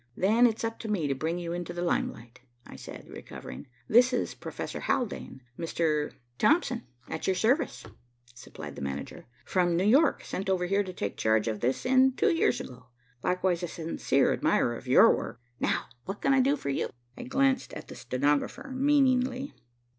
"Then it's up to me to bring you into the limelight," I said, recovering. "This is Prof. Haldane, Mr. ?" "Thompson, at your service," supplied the manager. "From New York, sent over here to take charge of this end two years ago, likewise a sincere admirer of your work. Now, what can I do for you?" I glanced at the stenographer meaningly.